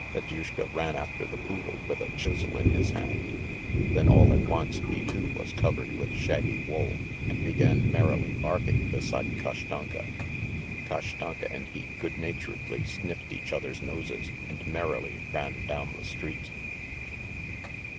Fedyushka ran after the poodle with a chisel in his hand, then all at once he too was covered with shaggy wool, and began merrily barking beside Kashtanka. Kashtanka and he goodnaturedly sniffed each other's noses and merrily ran down the street.